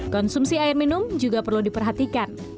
konsumsi air minum juga perlu diperhatikan